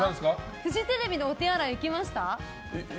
フジテレビのお手洗い行きました？